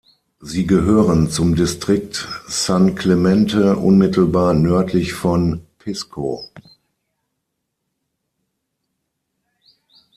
Sie gehören zum Distrikt San Clemente unmittelbar nördlich von Pisco.